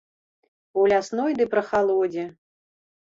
У лясной ды прахалодзе.